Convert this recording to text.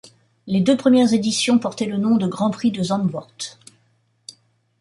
Les deux premières éditions portaient le nom de Grand Prix de Zandvoort.